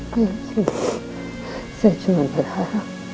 saya cuma berharap